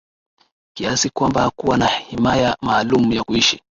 kiasi kwamba hakuwa na himaya maalumu ya kuishi